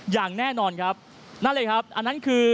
อย่างแน่นอนครับนั่นเลยครับอันนั้นคือ